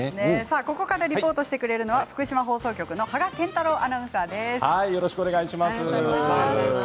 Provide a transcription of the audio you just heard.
ここからリポートしてくれるのは福島放送局の芳賀健太郎アナウンサーです。